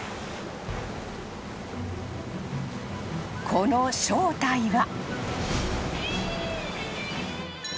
［この正体は］